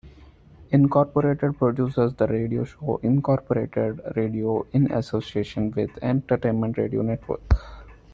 Incorporated produces the radio show "Incorporated Radio" in association with Entertainment Radio Network.